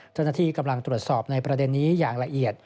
เจ้าหน้าที่กำลังตรวจสอบในประเด็นนี้อย่างละเอียด